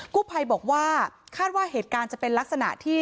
กู้ภัยบอกว่าคาดว่าเหตุการณ์จะเป็นลักษณะที่